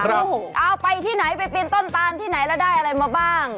เอาไปที่ไหนไปปีนต้นตานที่ไหนแล้วได้อะไรมาบ้าง